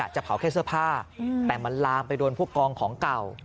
จะเผาแค่เสื้อผ้าแต่มันลามไปโดนพวกกองของเก่า